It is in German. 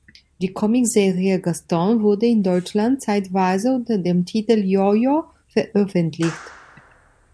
Die Comic-Serie "Gaston" wurde in Deutschland zeitweise unter dem Titel "Jo-Jo" veröffentlicht.